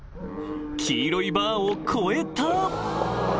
黄色いバーを越えた！